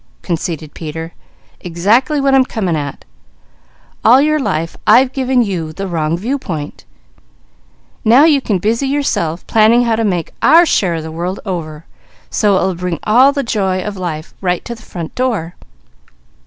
conceded Peter. "Exactly what I'm coming at. All your life I've given you the wrong viewpoint. Now you can busy yourselves planning how to make our share of the world over, so it will bring all the joy of life right to the front door.